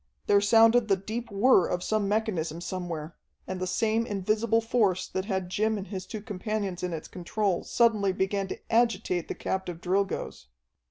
There sounded the deep whir of some mechanism somewhere, and the same invisible force that had Jim and his two companions in its control suddenly began to agitate the captive Drilgoes.